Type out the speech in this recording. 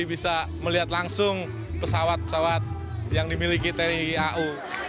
bisa melihat langsung pesawat pesawat yang dimiliki tni au